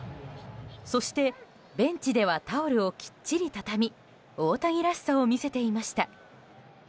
そして、ベンチではタオルをきっちり畳み大谷らしさを見せていました。